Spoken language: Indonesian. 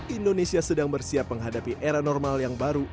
indonesia sedang bersiap menghadapi era normal yang baru